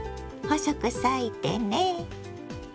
細く裂いてね。